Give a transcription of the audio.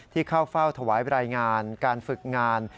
ที่เข้าเฝ้าถวายรายงานการฝึกงาน